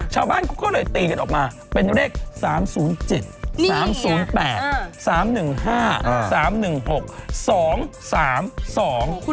ชาวบ้านก็เลยตีกันออกมาเป็นเลข๓๐๗